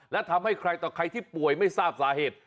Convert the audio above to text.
และทำให้ใครต่อใครที่ป่วยไม่ทราบสาเหตุ